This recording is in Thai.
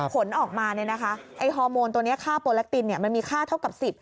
ผลออกมาไอ้ฮอร์โมนตัวนี้ค่าโปรแลคตินมันมีค่าเท่ากับ๑๐